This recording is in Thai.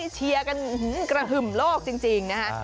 เชียร์กันกระหึ่มโลกจริงนะฮะ